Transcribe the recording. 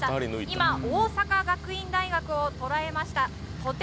今大阪学院大学を捉えました。